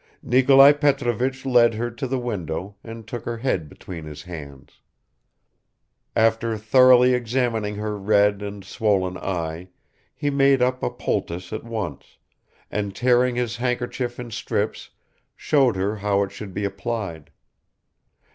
Nikolai Petrovich led her to the window and took her head between his hands. After thoroughly examining her red and swollen eye, he made up a poultice at once, and tearing his handkerchief in strips showed her how it should be applied.